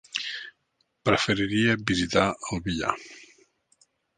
Preferiria visitar el Villar.